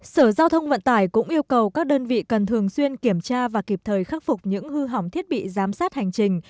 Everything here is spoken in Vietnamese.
sở giao thông vận tải cũng yêu cầu các đơn vị cần thường xuyên kiểm tra và kịp thời khắc phục những hư hỏng thiết bị giám sát hành trình